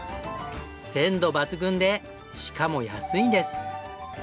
鮮度抜群でしかも安いんです！